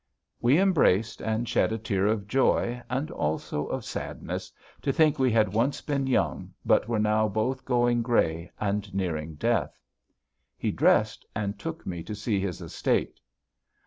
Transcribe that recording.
"We embraced and shed a tear of joy and also of sadness to think that we had once been young, but were now both going grey and nearing death. He dressed and took me to see his estate.